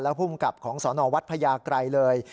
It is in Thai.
และผู้บัญกับของสอนอวัดพญาไกรเลย